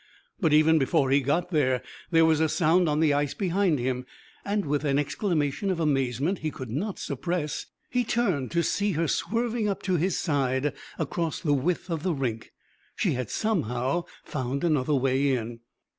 But, even before he got there, there was a sound on the ice behind him and, with an exclamation of amazement he could not suppress, he turned to see her swerving up to his side across the width of the rink. She had somehow found another way in.